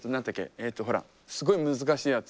えっとほらすごい難しいやつ。